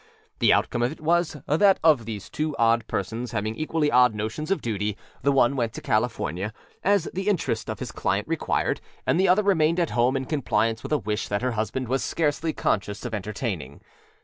The outcome of it was that of these two odd persons having equally odd notions of duty, the one went to California, as the interest of his client required, and the other remained at home in compliance with a wish that her husband was scarcely conscious of entertaining.